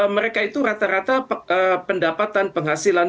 mereka itu rata rata pendapatan penghasilan